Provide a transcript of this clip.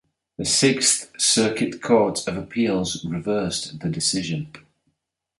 The Sixth Circuit Court of Appeals reversed the decision.